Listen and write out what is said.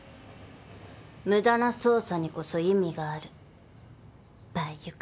無駄な捜査にこそ意味があるバイ湯川。